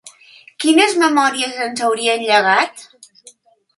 Quines memòries ens haurien llegat?